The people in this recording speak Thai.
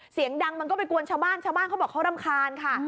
เสียงดังมันก็ไปกวนชาวบ้านชาวบ้านเขาบอกเขารำคาญค่ะ